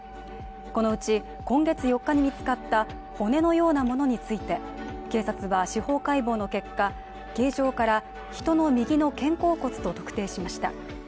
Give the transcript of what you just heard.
このうち、今月４日に見つかった骨のようなものについて警察は司法解剖の結果、形状から人の右の肩甲骨と特定しました。